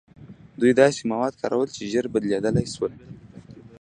دوی داسې مواد کارول چې ژر بدلیدلی شول.